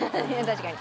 確かに。